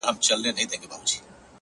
درد زغمي”